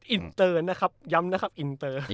อินเตอร์นะครับย้ำนะครับอินเตอร์